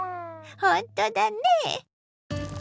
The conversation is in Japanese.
ほんとだね。